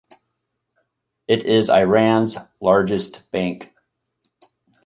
It is Iran's largest bank.